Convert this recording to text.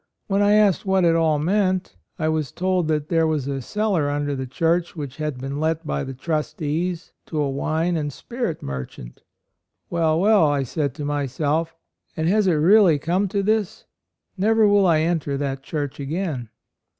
When I asked what it all meant, I was told that there was a cellar under the church which had been let by the trustees to a wine and spirit merchant. 'Well, well,' I said to myself, 'and has it really come to this? Never will I enter that church again."'